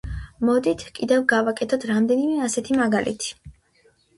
მოდით, კიდევ გავაკეთოთ რამდენიმე ასეთი მაგალითი.